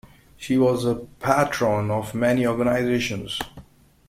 She was the patron of many organizations.